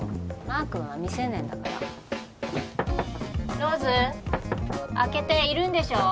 マー君は未成年だからローズ？開けているんでしょ？